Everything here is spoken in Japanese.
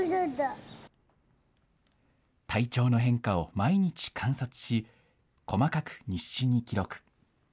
体調の変化を毎日観察し、細かく日誌に記録。